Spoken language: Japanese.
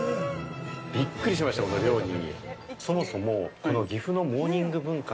びっくりしましたよ、お料理に。